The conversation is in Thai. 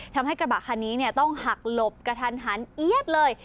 ทำให้กระบะคันนี้ต้องหักหลบกระทันหันเอี๊ยดเลย